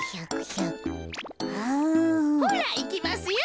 ほらいきますよ。